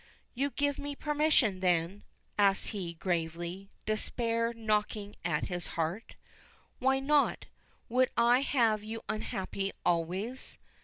"You give me permission, then?" asks he, gravely, despair knocking at his heart. "Why not would I have you unhappy always?"